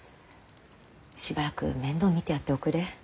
しばらく面倒を見てやっておくれ。